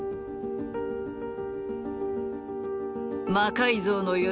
「魔改造の夜」